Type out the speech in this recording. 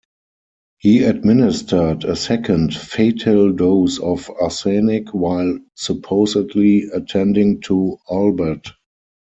He administered a second, fatal dose of arsenic while supposedly attending to Albert.